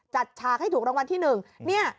จัดชากให้ถูกรางวัลที่๑